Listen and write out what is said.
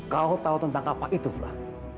kau tau tentang kapak itu fla